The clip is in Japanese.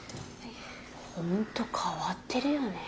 ホント変わってるよね